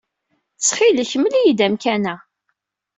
Ttxil-k, mel-iyi-d amkan-a.